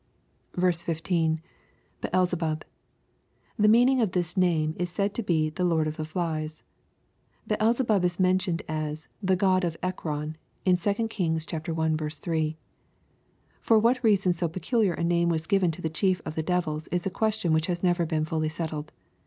15. — [Beehebvh.'] The meaning of this name is said to be the " Lord of flies." Beelzebub is mentioned as " the Grod of Ekron," in 2 Kings i. 3. For what reason so .peculiar a name was given, to the chief of the devils is a question which has never been fully settled.